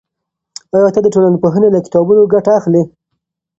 آیا ته د ټولنپوهنې له کتابونو ګټه اخلی؟